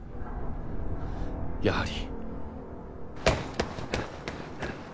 やはり。